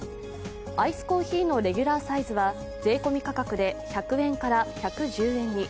アイスコーヒーのレギュラーサイズは、税込み価格で１００円から１１０円に。